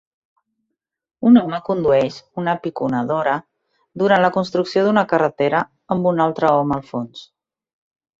Un home condueix una piconadora durant la construcció d'una carretera amb un altre home al fons.